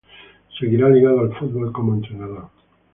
Seguirá ligado al fútbol como entrenador.